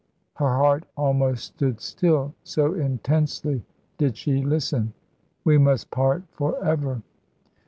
her heart almost stood still, so intensely did she listen. "We must part for ever."